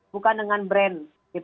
bukan dengan brand